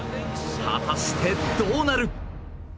果たして、どうなる？